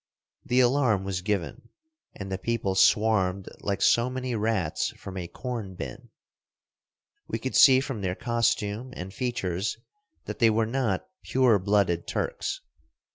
The alarm was given, and the people swarmed like so many rats from a corn bin. We could see from their costume and features that they were not pure blooded Turks.